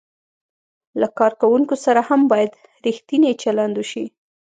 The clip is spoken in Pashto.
له کارکوونکو سره هم باید ریښتینی چلند وشي.